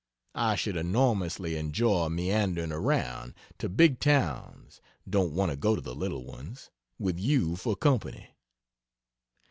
I should enormously enjoy meandering around (to big towns don't want to go to the little ones) with you for company.